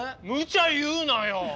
むちゃ言うなよ。